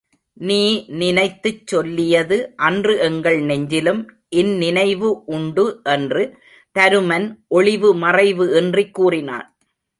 நீ நினைத்துச் சொல்லியது அன்று எங்கள் நெஞ்சிலும் இந்நினைவு உண்டு என்று தருமன் ஒளிவு மறைவு இன்றிக் கூறினான்.